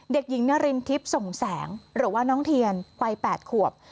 เด็กหญิงนารินทิพย์ส่งแสงหรือว่าน้องเทียนวัย๘ขวบ